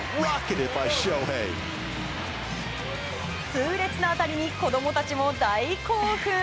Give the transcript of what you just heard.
痛烈な当たりに子供たちも大興奮。